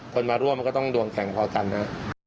คนมาร่วมก็ต้องดวงแข็งพอกันนะ